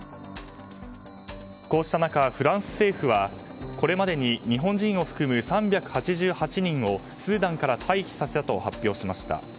こうした中、フランス政府はこれまでに日本人を含む３８８人をスーダンから退避させたと発表しました。